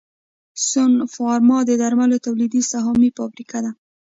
سنوفارما د درملو تولیدي سهامي فابریکه ده